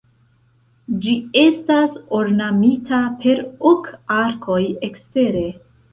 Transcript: Ĝi estas ornamita per ok arkoj ekstere.